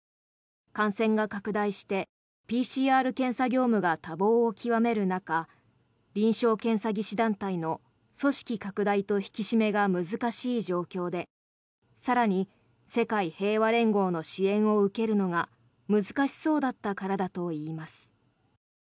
感染が拡大してＰＣＲ検査業務が多忙を極める中臨床検査技師団体の組織拡大と引き締めが難しい状況で更に、世界平和連合の支援を受けるのが難しそうだったからだといいます。